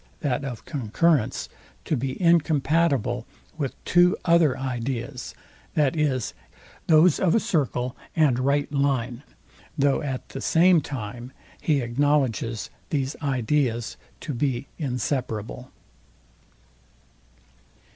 that of concurrence, to be INCOMPATIBLE with two other ideas, those of a circle and right line; though at the same time he acknowledges these ideas to be inseparable.